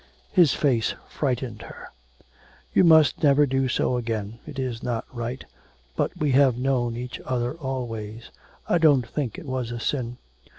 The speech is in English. His face frightened her. 'You must never do so again. It is not right; but we have known each other always I don't think it was a sin.